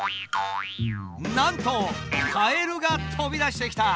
なんとカエルが飛び出してきた！